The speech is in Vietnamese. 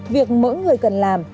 việc mỗi người cần làm